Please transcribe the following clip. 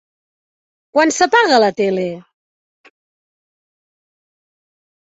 Quan s'apaga la tele?